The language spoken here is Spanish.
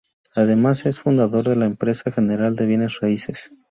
Además es fundador de la empresa General de Bienes Raíces.